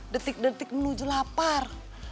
detik detik menuju lapar